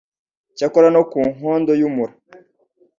cyakora no ku nkondo y'umura